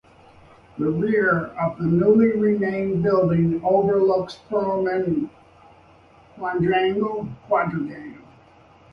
The rear of the newly renamed building overlooks Perelman Quadrangle.